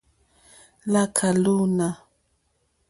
Láká lúǃúná.